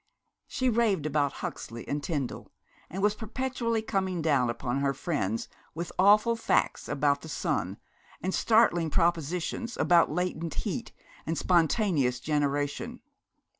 She raved about Huxley and Tyndall, and was perpetually coming down upon her friends with awful facts about the sun, and startling propositions about latent heat, or spontaneous generation.